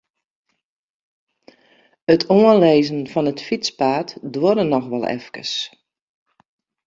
It oanlizzen fan it fytspaad duorre noch wol efkes.